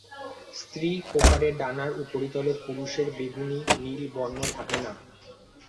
স্ত্রী প্রকারে ডানার উপরিতলে পুরুষের বেগুনি-নীল বর্ণ থাকে না।